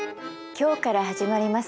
今日から始まります